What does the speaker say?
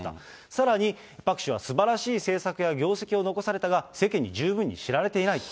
さらにパク氏はすばらしい政策や業績を残されたが、世間に十分に知られていない。